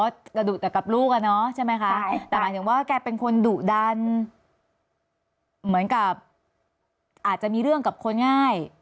กระดูกแต่กับลูกอ่ะเนอะใช่ไหมคะแต่หมายถึงว่าแกเป็นคนดุดันเหมือนกับอาจจะมีเรื่องกับคนง่าย